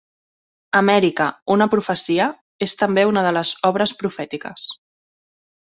"America, una profecia" és també una de les "obres profètiques".